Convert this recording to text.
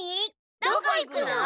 どこ行くの？